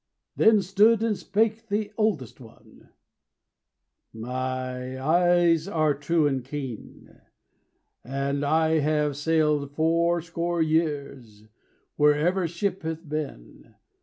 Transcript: Then stood and spake the oldest one: "My eyes are true and keen, And I have sailed for four score years Wherever ship hath been.